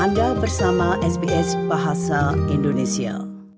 anda bersama sbs bahasa indonesia